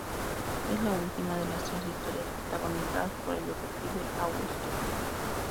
Es la última de las tres historias protagonizadas por el detective Auguste Dupin.